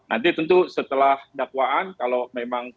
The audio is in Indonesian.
nanti tentu setelah dakwaan kalau memang